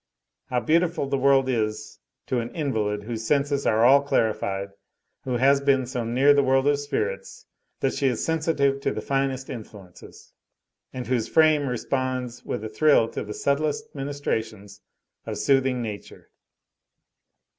How beautiful the world is to an invalid, whose senses are all clarified, who has been so near the world of spirits that she is sensitive to the finest influences, and whose frame responds with a thrill to the subtlest ministrations of soothing nature.